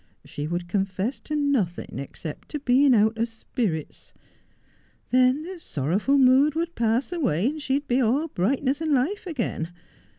She would confess to nothing except to being out of spirits. Then the sorrowful mood would pass away, and she would be all brightness and life again.